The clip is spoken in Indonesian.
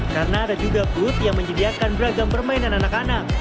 karena ada juga booth yang menyediakan beragam permainan anak anak